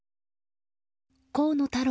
河野太郎